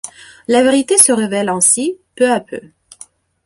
La vérité se révèle ainsi peu à peu.